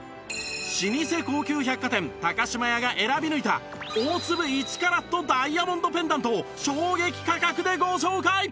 老舗高級百貨店島屋が選び抜いた大粒１カラットダイヤモンドペンダントを衝撃価格でご紹介！